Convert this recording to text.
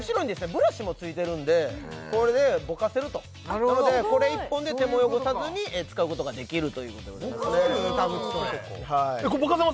ブラシもついてるんでこれでぼかせるとこれ１本で手も汚さずに使うことができるということでございますねぼかせる？